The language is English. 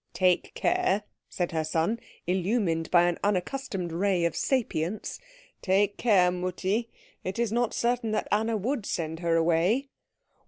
"Take care," said her son, illumined by an unaccustomed ray of sapience, "take care, Mutti. It is not certain that Anna would send her away."